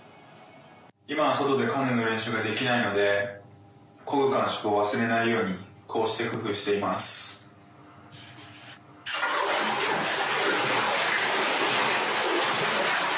今は外でカヌーの練習ができないので、こぐ感触を忘れないように、こうして工夫しています。